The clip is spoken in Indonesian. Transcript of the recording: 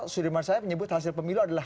sudirman said menyebut hasil pemilu adalah